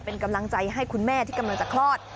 เป็นกำลังใจให้คุณแม่ที่กำลังจะคลอด